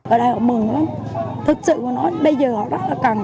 ở đây họ mừng lắm thực sự họ nói bây giờ họ rất là cần